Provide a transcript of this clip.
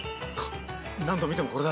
何度見てもこれだ。